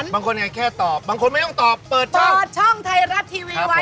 บางคนไม่ต้องตอบเปิดช่องปลอดช่องไทยรัสทีวีไว้